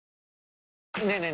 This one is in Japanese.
ねえねえ